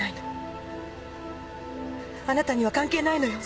あなたには関係ないの。